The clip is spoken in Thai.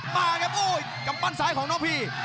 มาครับโอ้ยกำปั้นซ้ายของน้องพี